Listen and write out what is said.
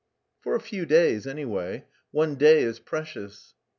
"For a few days, anyway; one day is precious."